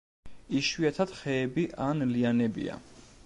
იშვიათად ხეები ან ლიანებია.